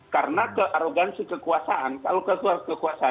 karena kearogansi kekuasaan kalau kekuasaan itu artinya pemerintahan